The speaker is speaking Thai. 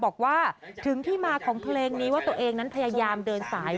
บอกว่าถึงที่มาของเพลงนี้ว่าตัวเองนั้นพยายามเดินสาย